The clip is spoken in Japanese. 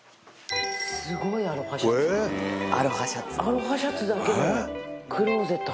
アロハシャツだけのクローゼット